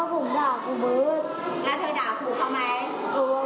แต่ครูไม่จริงทำแบบนี้นะครับ